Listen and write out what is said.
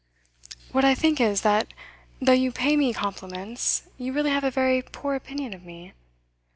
'What I think is, that, though you pay me compliments, you really have a very poor opinion of me.